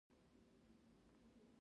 نظارت باید له لومړیو مرحلو پیل شي.